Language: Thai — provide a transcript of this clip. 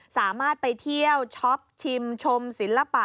สามารถไปเที่ยวช็อปชิมชมศิลปะ